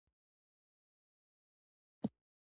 د خټکي خوړل د بدن یخ ساتلو کې مرسته کوي.